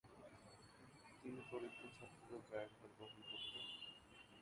তিনি দরিদ্র ছাত্রদের ব্যয়ভার বহন করতেন।